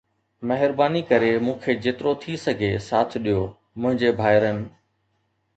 مهرباني ڪري مون کي جيترو ٿي سگهي ساٿ ڏيو منهنجي ڀائرن